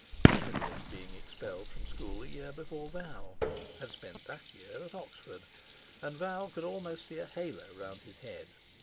He had missed being expelled from school a year before Val, had spent that year at Oxford, and Val could almost see a halo round his head.